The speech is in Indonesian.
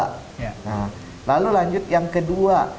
nah lalu lanjut yang kedua